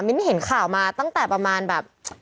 เห็นข่าวมาตั้งแต่ประมาณแบบ